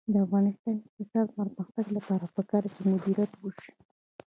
د افغانستان د اقتصادي پرمختګ لپاره پکار ده چې مدیریت وشي.